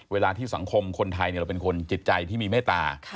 เวลาที่สังคมคนไทยเราเป็นคนจิตใจที่มีเมตตา